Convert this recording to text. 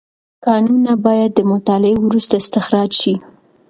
کانونه باید د مطالعې وروسته استخراج شي.